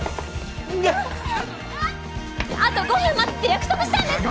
あと５分待つって約束したんです！